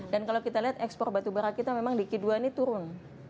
dan kalau kita lihat ekspor batu bara kita memang di kisatu ini turun